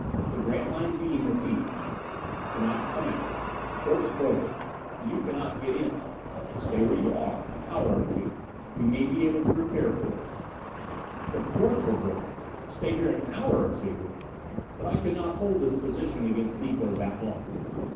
The Grantline beam repeated: "Cannot come out. Portes broken. You cannot get in. Stay where you are an hour or two. We may be able to repair portes." The portes were broken! Stay here an hour or two! But I could not hold this position against Miko that long!